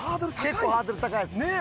結構ハードル高いです。